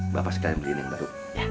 bapak sekalian begini yang baru